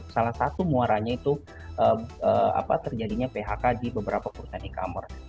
salah satu muaranya itu terjadinya phk di beberapa perusahaan e commerce